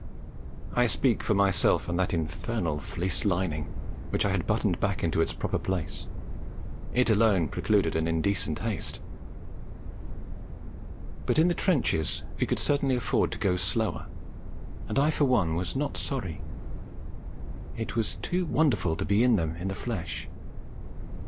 I speak for myself and that infernal fleece lining, which I had buttoned back into its proper place. It alone precluded an indecent haste. But in the trenches we could certainly afford to go slower, and I for one was not sorry. It was too wonderful to be in them in the flesh.